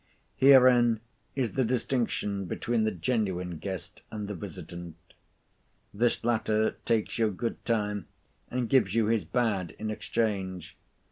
Herein is the distinction between the genuine guest and the visitant. This latter takes your good time, and gives you his bad in exchange.